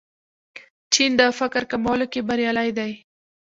چین د فقر کمولو کې بریالی دی.